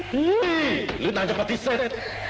หรือนางจะปฏิเสธ